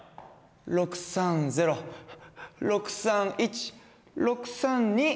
６３０６３１６３２！